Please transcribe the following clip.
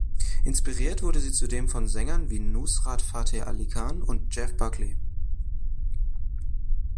Inspiriert wurde sie zudem von Sängern wie Nusrat Fateh Ali Khan und Jeff Buckley.